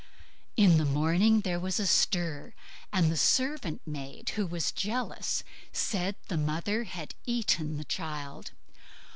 In the morning there was a stir; and the servant maid, who was jealous, said the mother had eaten the child.